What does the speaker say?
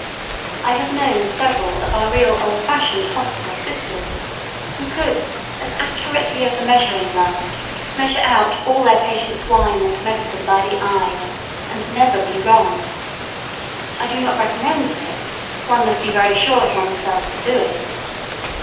] I have known several of our real old fashioned hospital "sisters," who could, as accurately as a measuring glass, measure out all their patients' wine and medicine by the eye, and never be wrong. I do not recommend this, one must be very sure of one's self to do it.